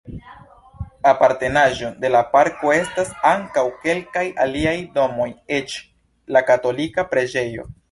Apartenaĵo de la parko estas ankaŭ kelkaj aliaj domoj eĉ la katolika preĝejo.